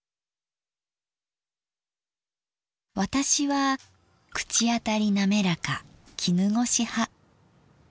私は口当たり滑らか絹ごし派。